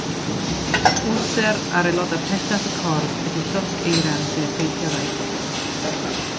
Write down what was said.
Wlser ar aelodau pellaf y corff ydy llosg eira sy'n effeithio rhai pobl.